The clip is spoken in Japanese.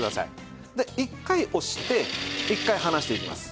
で１回押して１回離していきます。